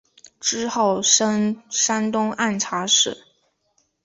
之后升山东按察使。